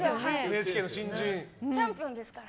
チャンピオンですから。